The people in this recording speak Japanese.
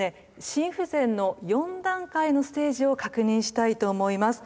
心不全の４段階のステージを確認したいと思います。